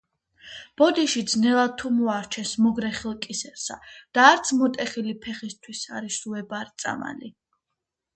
„ბოდიში ძნელად თუ მოარჩენს მოგრეხილს კისერსა, – და არც მოტეხილი ფეხისთვის არის უებარი წამალი.“